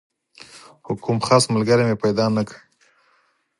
خو کوم خاص ملګری مې پیدا نه کړ.